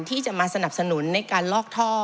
ที่จะมาสนับสนุนในการลอกท่อ